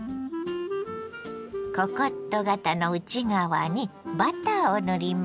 ココット型の内側にバターを塗ります。